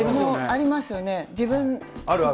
ありますよね。